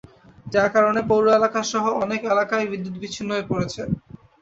যার কারণে পৌর এলাকাসহ অনেক এলাকায় বিদ্যুৎ বিচ্ছিন্ন হয়ে পড়েছে।